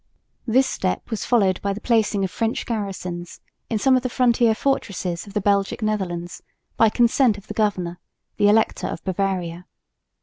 This step was followed by the placing of French garrisons in some of the frontier fortresses of the Belgic Netherlands by consent of the governor, the Elector of Bavaria.